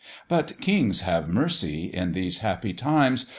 But kings have mercy, in these happy times.